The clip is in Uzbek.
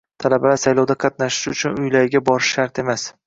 Talabalar saylovda qatnashishi uchun uylariga borishi shart emas.